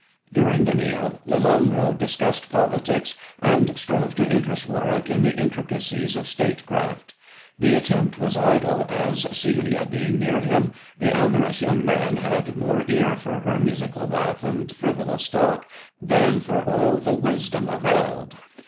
During the meal Lelanro discussed politics, and strove to interest Warwick in the intricacies of statecraft. The attempt was idle, as, Celia being near him, the amorous young man had more ear for her musical laugh and frivolous talk than for all the wisdom of eld.